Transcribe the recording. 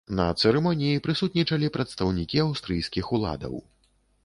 На цырымоніі прысутнічалі прадстаўнікі аўстрыйскіх уладаў.